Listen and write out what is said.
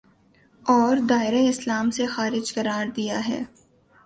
اور دائرۂ اسلام سے خارج قرار دیا ہے